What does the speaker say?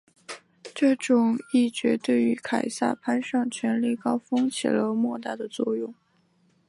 这种议决对于凯撒攀上权力高峰起了莫大的作用。